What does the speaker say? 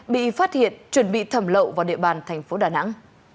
bị phát hiện chuẩn bị thẩm lậu vào địa bàn tp đà nẵng